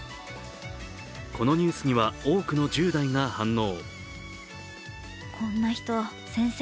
このニュースには多くの１０代が反応。